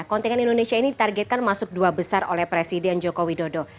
kontingen indonesia ini ditargetkan masuk dua besar oleh presiden joko widodo